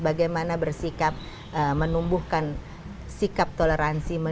bagaimana bersikap menumbuhkan sikap toleransi